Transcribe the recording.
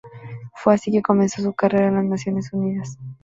Fue así que comenzó su carrera en las Naciones Unidas.